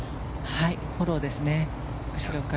フォローですね。